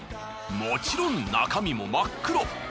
もちろん中身も真っ黒！